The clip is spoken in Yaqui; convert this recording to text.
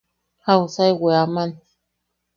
¿Jausa e weaman?